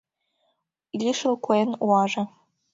Лишыл куэн уаже